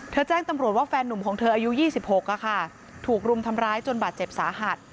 แจ้งตำรวจว่าแฟนหนุ่มของเธออายุ๒๖ถูกรุมทำร้ายจนบาดเจ็บสาหัส